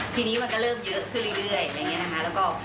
ทีนี้มันก็เริ่มเยอะขึ้นเรื่อยแล้วก็